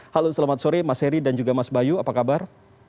halo selamat sore mas heri dan juga mas bayu apa kabar